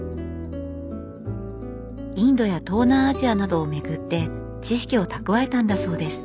インドや東南アジアなどを巡って知識を蓄えたんだそうです。